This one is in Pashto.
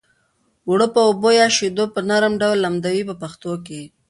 اوړه په اوبو یا شیدو په نرم ډول لمدوي په پښتو کې.